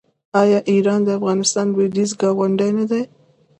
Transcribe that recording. آیا ایران د افغانستان لویدیځ ګاونډی نه دی؟